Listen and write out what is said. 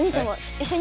一緒に。